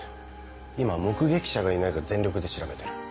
今目撃者がいないか全力で調べてる。